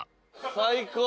最高！